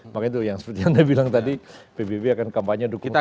makanya tuh seperti yang anda bilang tadi pbb akan kampanye dukungan